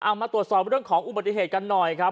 มาตรวจสอบเรื่องของอุบัติเหตุกันหน่อยครับ